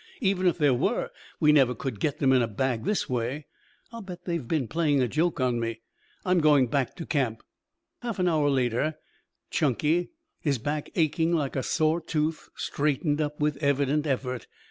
Even if there were we never could get them in a bag this way. I'll bet they have been playing a joke on me. I'm going back to camp." Half an hour later, Chunky, his back aching like a sore tooth, straightened up with evident effort.